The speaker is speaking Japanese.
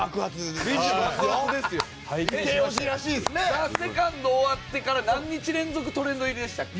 ＴＨＥＳＥＣＯＮＤ終わってから何日連続トレンド入りでしたっけ？